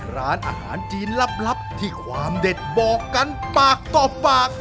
ร้านอาหารจีนลับที่ความเด็ดบอกกันปากต่อปาก